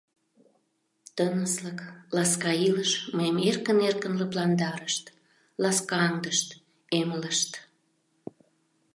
Тыныслык, ласка илыш мыйым эркын-эркын лыпландарышт, ласкаҥдышт, эмлышт.